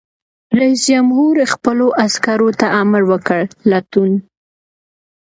رئیس جمهور خپلو عسکرو ته امر وکړ؛ لټون!